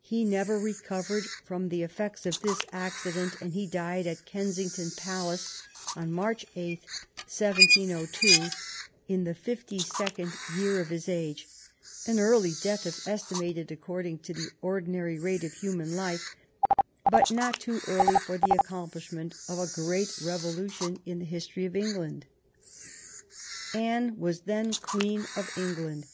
He never recovered from the effects of this accident, and he died at Kensington Palace on March 8, 1702, in the fifty second year of his age — an early death, if estimated according to the ordinary rate of human life, but not too early for the accomplishment of a great revolution in the history of England. Anne was then the Queen of England.